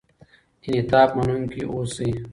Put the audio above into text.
انعطاف منونکي اوسئ.